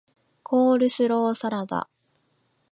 コールスローサラダ